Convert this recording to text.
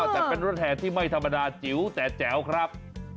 แต่เป็นรถแห่ที่ไม่ธรรมดาจิ๋วแต่แจ๋วครับ